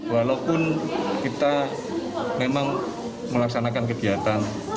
walaupun kita memang melaksanakan kegiatan